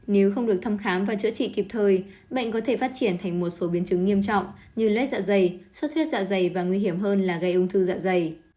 nếu không được thăm khám và chữa trị kịp thời bệnh có thể phát triển thành một số biến chứng nghiêm trọng như lết dạ dày suốt huyết dạ dày và nguy hiểm hơn là gây ung thư dạ dày